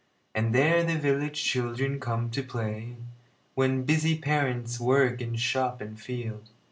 And there the village children come to play, When busy parents work in shop and field.